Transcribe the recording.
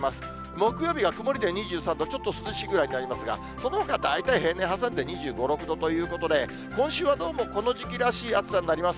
木曜日は曇りで２３度、ちょっと涼しいぐらいになりますが、そのほか大体、平年挟んで２５、６度ということで、今週はどうもこの時期らしい暑さになります。